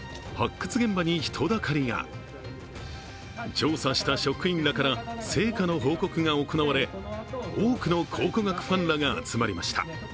調査した職員らから成果の報告が行われ多くの考古学ファンらが集まりました。